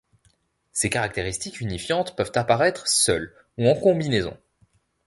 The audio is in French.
Ces caractéristiques unifiantes peuvent apparaître seules ou en combinaison.